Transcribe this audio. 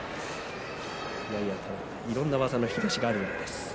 いろんな技の引き出しがあるようです。